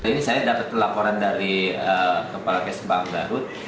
ini saya dapat laporan dari kepala kes bang garut